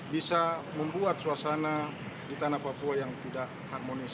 bisa membuat suasana di tanah papua yang tidak harmonis